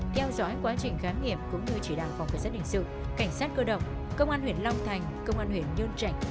theo dõi quá trình khám nghiệm cũng như chỉ đạo phòng khẩn sát hình sự cảnh sát cơ động công an huyện long thành công an huyện nhơn trạch